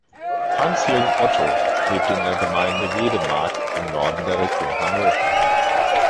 Hans-Jürgen Otto lebte in der Gemeinde Wedemark im Norden der Region Hannover.